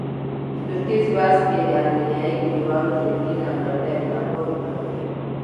د ترکیې سیواس کې یې د ارمینیايي کلیوالو ذهني ځانګړتیاوې ناپوهې ګڼلې.